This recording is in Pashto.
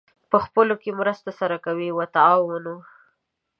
پخپلو کې مرسته سره کوئ : وتعاونوا